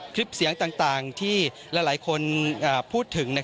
คลิปเสียงต่างที่หลายคนพูดถึง